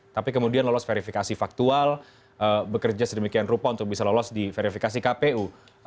tapi kemudian lolos verifikasi faktual bekerja sedemikian rupa untuk bisa lolos di verifikasi kpu